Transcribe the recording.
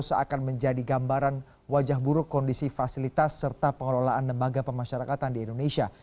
seakan menjadi gambaran wajah buruk kondisi fasilitas serta pengelolaan lembaga pemasyarakatan di indonesia